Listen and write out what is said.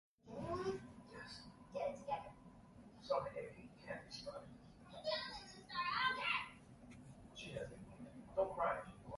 The building was designed in the Late Gothic Revival architectural style.